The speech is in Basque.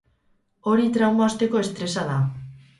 Hori trauma osteko estresa da.